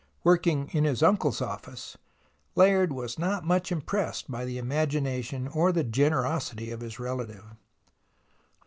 Working in his uncle's office, Layard was not much impressed by the imagination or the generosity of his relative.